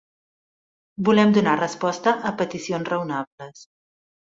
Volem donar resposta a peticions raonables.